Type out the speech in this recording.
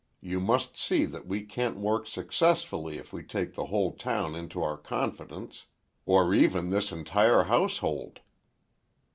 You must see that we can't work successfully if we take the whole town into our confidence. Or even this entire household."